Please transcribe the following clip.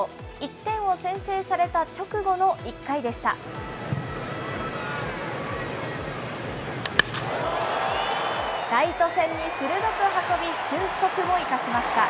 １点を先制された直後の１回でした。